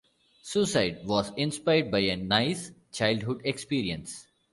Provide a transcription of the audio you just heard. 'Suicide' was inspired by a nice childhood experience.